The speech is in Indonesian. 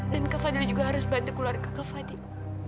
dan kak fadil juga harus bantu keluar ke kak fadil